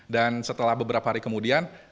dan setelah beberapa hari kemudian